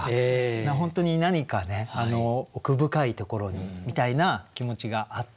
本当に何かね奥深いところにみたいな気持ちがあって。